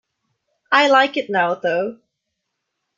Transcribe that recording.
I like it now though.